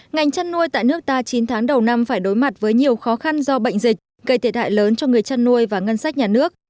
ngành chăn nuôi tại nước ta chín tháng đầu năm phải đối mặt với nhiều khó khăn do bệnh dịch gây thiệt hại lớn cho người chăn nuôi và ngân sách nhà nước